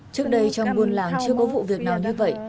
trước đây trong buôn làng chưa có vụ việc nào như vậy